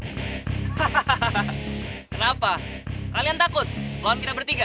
hahaha kenapa kalian takut lawan kita bertiga